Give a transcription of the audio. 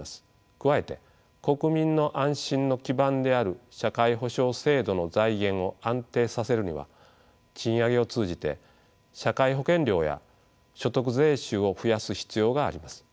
加えて国民の安心の基盤である社会保障制度の財源を安定させるには賃上げを通じて社会保険料や所得税収を増やす必要があります。